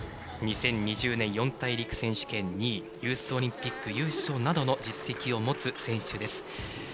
２０２０年の四大陸選手権２位ユースオリンピック優勝などの実績を持つ選手です。